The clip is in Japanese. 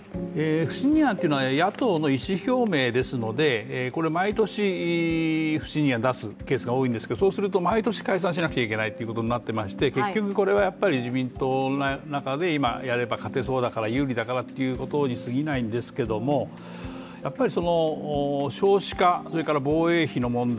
不信任案というのは野党の意思表明ですので毎年、不信任案を出すケースが多いんですけどそうすると毎年解散しなくちゃいけないということになっていまして結局これはやっぱり自民党の中で今やれば勝てそうだから、有利だからということに過ぎないんですけれども、やっぱり少子化、防衛費の問題